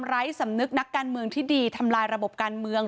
สำนึกนักการเมืองที่ดีทำลายระบบการเมือง